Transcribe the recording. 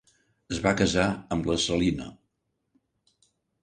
Es va casar amb Lescelina.